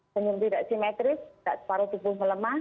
kemudian tidak simetris paru tubuh melemah